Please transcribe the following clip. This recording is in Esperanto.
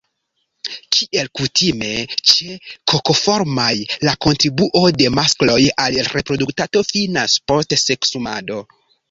Kiel kutime ĉe Kokoformaj, la kontribuo de maskloj al reproduktado finas post seksumado.